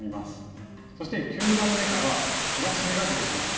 そして９段めからは減らし目が出てきます。